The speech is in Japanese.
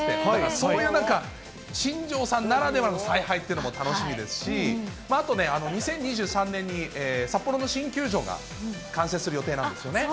そういうなんか、新庄さんならではの采配っていうのも楽しみですし、あとね、２０２３年に札幌の新球場が完成する予定なんですよね。